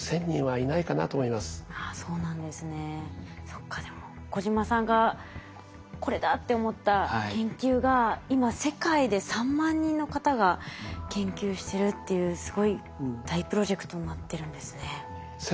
そっかでも小島さんがこれだって思った研究が今世界で３万人の方が研究してるっていうすごい大プロジェクトになってるんですね。